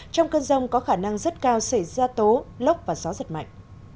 trong cơn giông có khả năng rất cao xảy ra tố lốc và gió rất mạnh